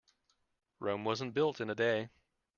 Rome wasn't built in a day.